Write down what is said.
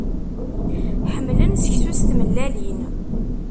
Ḥemmlen seksu s tmellalin.